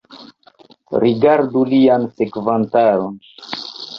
Rigardu lian sekvantaron!